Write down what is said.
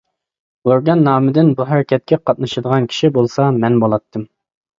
ئورگان نامىدىن بۇ ھەرىكەتكە قاتنىشىدىغان كىشى بولسا مەن بولاتتىم.